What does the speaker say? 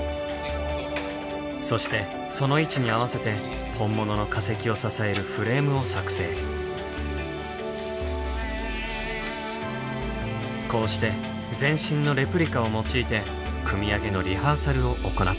そしてその位置に合わせて本物のこうして全身のレプリカを用いて組み上げのリハーサルを行ったのです。